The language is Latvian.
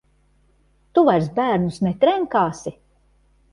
Tu vairs bērnus netrenkāsi?